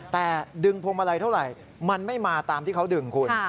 แต่ดึงพวงมาลัยเท่าไหร่มันไม่มาตามที่เขาดึงคุณ